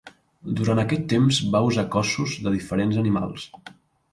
Durant aquest temps va usar cossos de diferents animals.